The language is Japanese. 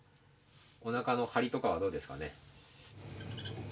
おなかの張りとかはどうですかね？